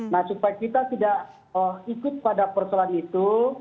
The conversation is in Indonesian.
nah supaya kita tidak ikut pada persoalan itu